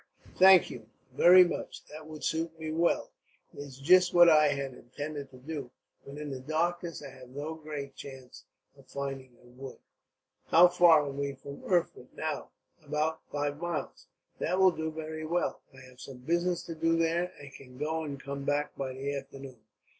"Thank you, very much; that would suit me well. It is just what I had intended to do, but in the darkness I have no great chance of finding a wood. "How far are we from Erfurt, now?" "About five miles." "That will do very well. I have some business to do there, and can go and come back by the afternoon."